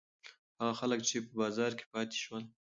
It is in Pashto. هغه خلک چې په بازار کې پاتې شول.